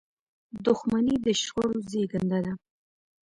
• دښمني د شخړو زیږنده ده.